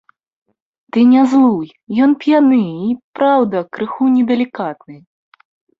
Ты не злуй, ён п'яны і, праўда, крыху недалікатны.